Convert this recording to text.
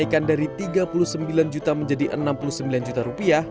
kenaikan dari tiga puluh sembilan juta menjadi enam puluh sembilan juta rupiah